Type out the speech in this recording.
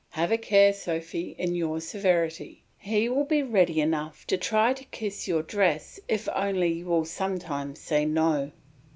Have a care, Sophy, in your severity; he will be ready enough to try to kiss your dress if only you will sometimes say "No."